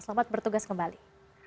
selamat bertugas kembali